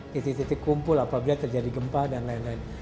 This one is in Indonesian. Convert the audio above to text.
titik titik kumpul apabila terjadi gempa dan lain lain